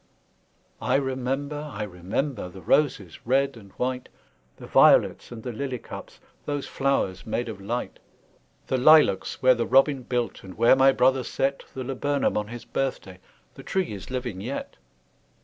I remember, I remember, The roses, red and white, The violets, and the lily cups, Those flowers made of light! The lilacs where the robin built, And where my brother set The laburnum on his birthday, The tree is living yet!